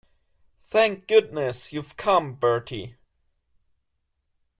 Thank goodness you've come, Bertie.